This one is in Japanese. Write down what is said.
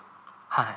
はい。